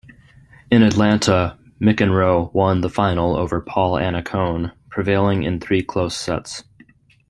In Atlanta, McEnroe won the final over Paul Annacone, prevailing in three close sets.